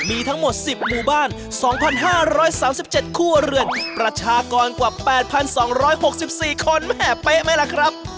มีทั้งหมด๑๐หมู่บ้าน๒๕๓๗ครัวเรือนประชากรกว่า๘๒๖๔คนแม่เป๊ะไหมล่ะครับ